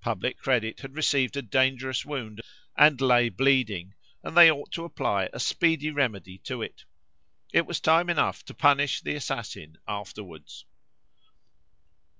Public credit had received a dangerous wound, and lay bleeding, and they ought to apply a speedy remedy to it. It was time enough to punish the assassin afterwards."